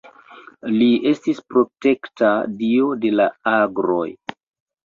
Li estis protekta dio de la agroj.